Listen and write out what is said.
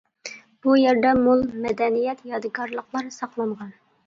بۇ يەردە مول مەدەنىيەت يادىكارلىقلار ساقلانغان.